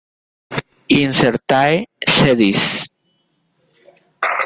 Incertae sedis